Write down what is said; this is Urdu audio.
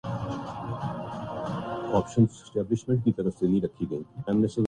جس کے بعد سینسر کے ذریعے بائیو میٹرک ویری فیکیشن ہوگی